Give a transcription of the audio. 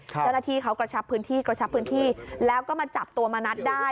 เจ้าหน้าที่เขากระชับพื้นที่กระชับพื้นที่แล้วก็มาจับตัวมณัฐได้